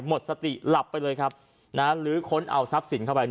หมดสติหลับไปเลยครับลื้อค้นเอาทรัพย์สินเข้าไป